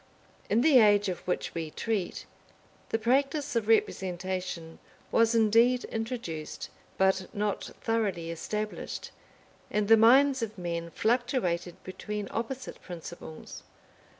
In the age of which we treat, the practice of representation was indeed introduced, but not thoroughly established; and the minds of men fluctuated between opposite principles.